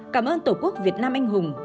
cảm ơn tổ quốc việt nam anh hùng